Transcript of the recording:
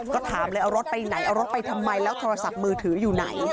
ก็ถามเลยเอารถไปไหนเอารถไปทำไมแล้วโทรศัพท์มือถืออยู่ไหน